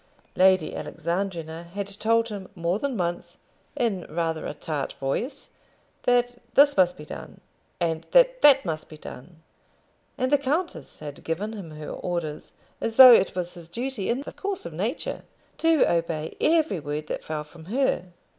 Lady Alexandrina had told him more than once, in rather a tart voice, that this must be done, and that that must be done; and the countess had given him her orders as though it was his duty, in the course of nature, to obey every word that fell from her.